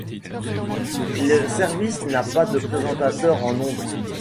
Le service n'a pas de présentateurs en ondes.